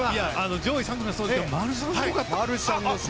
上位３組もそうですがマルシャンすごかった。